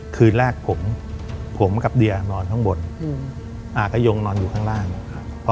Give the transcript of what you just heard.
คืนแรกผมผมกับเดียนอนข้างบนอืมอ่ากระยงนอนอยู่ข้างล่างครับ